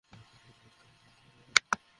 কি বকবক করছিস?